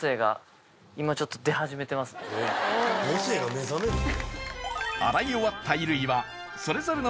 えっ母性が目覚めるの？